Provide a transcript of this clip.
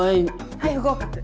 はい不合格。